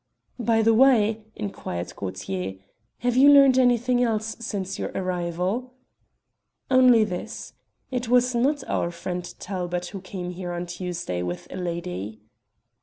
"By the way," inquired Gaultier, "have you learned anything else since your arrival?" "Only this it was not our friend Talbot who came here on Tuesday with a lady."